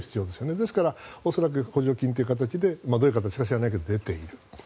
ですから、補助金という形でどういう形か知らないけど出ている。